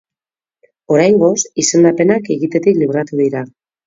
Oraingoz, izendapenak egitetik libratu dira.